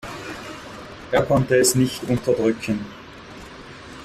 Er konnte es nicht unterdrücken.